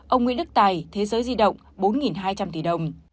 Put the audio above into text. ông nguyễn đức tài thế giới di động bốn hai trăm linh tỷ đồng